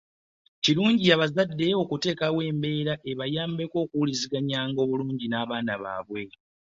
Kirungi abazadde okuteekawo embeera ebayamba okuwuliziganya obulungi n'abaana